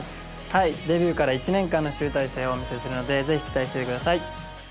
はいデビューから１年間の集大成をお見せするのでぜひ期待しててください